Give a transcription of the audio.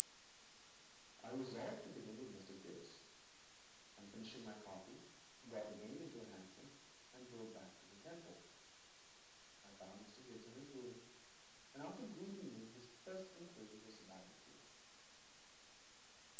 I resolved to begin with Mr. Gibbes, and, finishing my coffee, I got again into a hansom, and drove back to the Temple. I found Bentham Gibbes in his room, and after greeting me, his first inquiry was about the case.